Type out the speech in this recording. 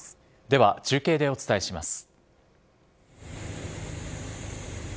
では、中継でお伝えします。